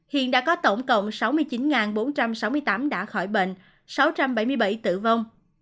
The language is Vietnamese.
hiện đã có tổng cộng sáu mươi chín bốn trăm sáu mươi tám đã khỏi bệnh sáu trăm bảy mươi bảy tử vong